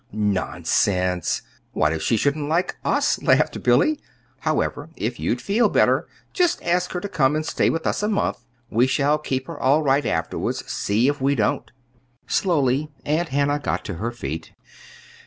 "Nonsense! What if she shouldn't like us?" laughed Billy. "However, if you'd feel better, just ask her to come and stay with us a month. We shall keep her all right, afterwards. See if we don't!" Slowly Aunt Hannah got to her feet.